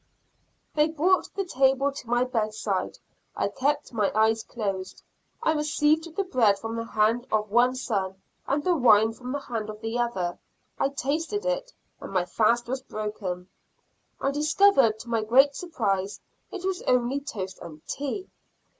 They brought the table to my bedside; I kept my eyes closed; I received the bread from the hand of one son, and the wine from the hand of the other. I tasted it, and my fast was broken. I discovered, to my great surprise, it was only toast and tea.